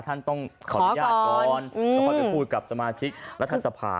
ท่านต้องขออนุญาตก่อนแล้วก็จะพูดกับสมาชิกรัฐสภา